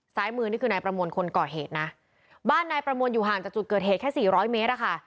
ซ้ายมือนี่คือนายประมวลคนก่อเหตุนะบ้านนายประมวลอยู่ห่างจากจุดเกิดเหตุแค่สี่ร้อยเมตรอะค่ะ